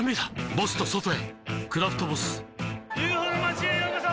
ボスと外へ「クラフトボス」ＵＦＯの町へようこそ！